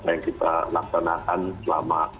yang kita laksanakan selama